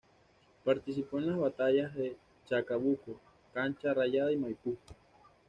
Participó en las batallas de Chacabuco, Cancha Rayada y Maipú.